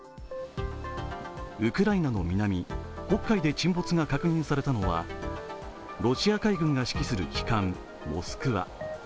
ウクライナの南・黒海で沈没が確認されたのはロシア海軍が指揮する旗艦「モスクワ」。